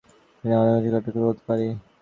এখানে থেকে কিছু একটা করতে পারি।